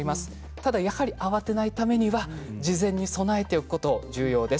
ただやはり慌てないためには事前に備えておくことが重要です。